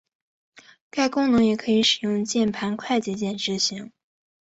该功能也可以使用键盘快捷键执行。